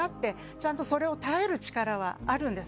ちゃんとそれを耐える力はあるんです。